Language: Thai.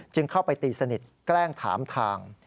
เข้าไปตีสนิทแกล้งถามทาง